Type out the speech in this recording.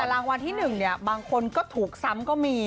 แต่รางวัลที่๑เนี่ยบางคนก็ถูกซ้ำก็มี